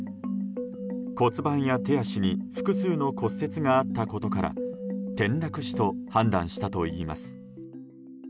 骨盤や手足に複数の骨折があったことから転落死と判断したといいます。